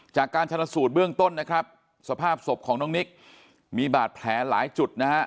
จากการชัดละสูจน์เบื้องต้นนะครับสภาพสบของน้องนิด